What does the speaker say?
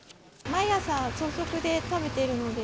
毎朝、朝食で食べているので。